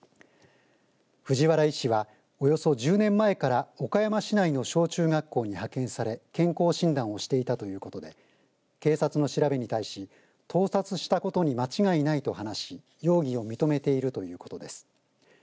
藤原医師は、およそ１０年前から岡山市内の小中学校に派遣され健康診断をしていたということで警察の調べに対し盗撮したことに間違いないと話し容疑を認めているということです。